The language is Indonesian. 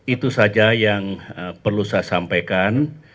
itu saja yang perlu saya sampaikan